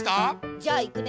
じゃあいくね。